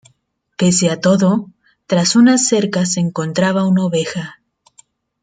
Pese a todo, tras una cerca se encontraba una oveja.